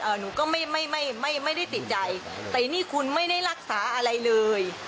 หนูก็ไม่ไม่ไม่ไม่ไม่ได้ติดใจแต่นี่คุณไม่ได้รักษาอะไรเลย